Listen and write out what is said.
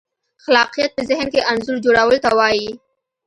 خلاقیت په ذهن کې انځور جوړولو ته وایي.